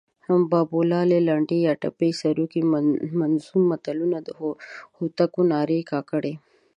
بابولالې، لنډۍ یا ټپې، سروکي، منظوم متلونه، د هوتکو نارې، کاکړۍ